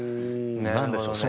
何でしょうね。